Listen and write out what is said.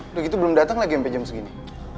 udah gitu belum dateng lagi sampe jam segini